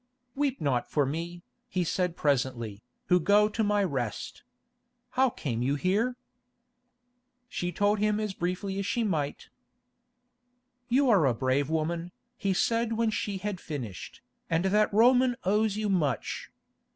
"Weep not for me," he said presently, "who go to my rest. How came you here?" She told him as briefly as she might. "You are a brave woman," he said when she had finished, "and that Roman owes you much.